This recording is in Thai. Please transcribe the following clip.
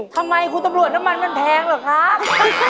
ทำไมคุณตำรวจน้ำมันมันแพงเหรอครับ